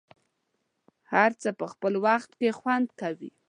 هر څه په خپل وخت کې خوند کوي.